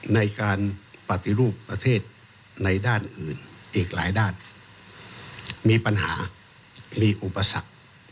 ในการปฏิรูปประเทศในด้านอื่นอีกหลายด้านมีปัญหามีอุปสรรค